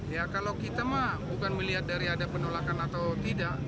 ya kalau kita mah bukan melihat dari ada penolakan atau tidak